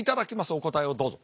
お答えをどうぞ。